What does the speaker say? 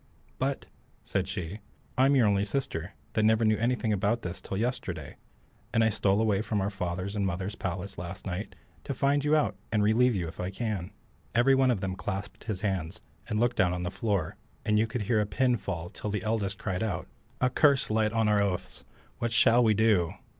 "But," said she, "I'm your only sister, that never knew anything about this till yesterday; and I stole away from our father's and mother's palace last night to find you out and relieve you if I can." Every one of them clasped his hands, and looked down on the floor, and you could hear a pin fall till the eldest cried out, "A curse light on our oath! what shall we do?"